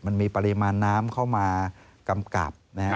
มันมีปริมาณน้ำเข้ามากำกับนะฮะ